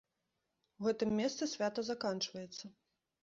У гэтым месцы свята заканчваецца.